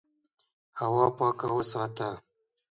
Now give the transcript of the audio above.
هوا پاکه وساته.